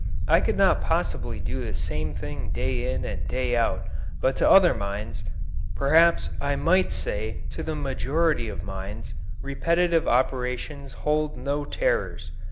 I could not possibly do the same thing day in and day out, but to other minds, perhaps I might say to the majority of minds, repetitive operations hold no terrors.